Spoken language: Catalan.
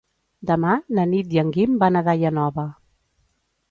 Demà na Nit i en Guim van a Daia Nova.